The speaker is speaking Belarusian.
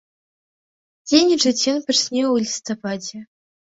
Дзейнічаць ён пачне ў лістападзе.